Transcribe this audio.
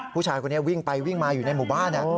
ผู้ชายคนนี้วิ่งไปวิ่งมาอยู่ในหมู่บ้าน